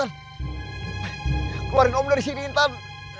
keluarin kamu dari sini intan